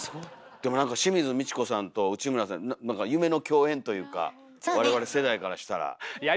でも何か清水ミチコさんと内村さん何か夢の共演というか我々世代からしたら。